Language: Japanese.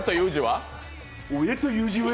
親という字は？